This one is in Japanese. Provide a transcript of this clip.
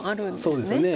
そうですね。